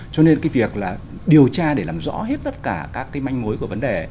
cho nên cái việc là điều tra để làm rõ hết tất cả các cái manh mối của vấn đề